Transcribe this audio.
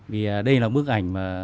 vì đây là bức ảnh mà